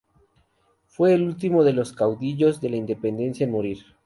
Fue el último de los caudillos de la Independencia en morir.